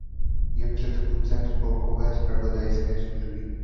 Je předchůdcem Spolkové zpravodajské služby.